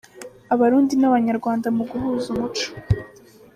Abarundi n’Abanyarwanda mu guhuza umuco